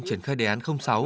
triển khai đề án sáu